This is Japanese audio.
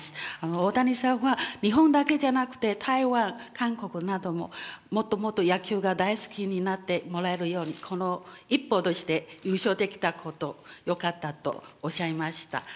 大谷さんは日本だけじゃなくて、台湾、韓国なども、もっともっと野球が大好きになってもらえるように、この一歩として、優勝できたこと、よかったとおっしゃいました。